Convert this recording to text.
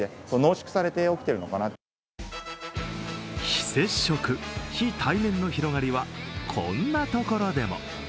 非接触・非対面の広がりは、こんなところでも。